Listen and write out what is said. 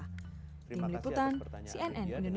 terima kasih atas pertanyaan ini